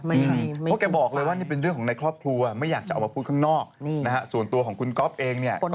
ไม่สูญฟ้าอันนี้เป็นเรื่องของในครอบครูไม่อยากจะเอามาพูดข้างนอกนะฮะส่วนตัวของคุณก๊อปเองเนี่ย